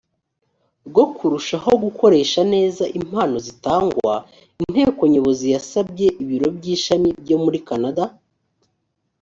rwo kurushaho gukoresha neza impano zitangwa inteko nyobozi yasabye ibiro by ishami byo muri kanada